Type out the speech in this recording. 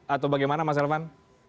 atau bagaimana mas elvan